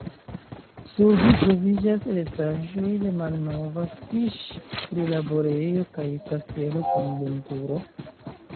Sur ĝi troviĝas restaĵoj de malnova fiŝ-prilaborejo kaj kastelo kun lumturo.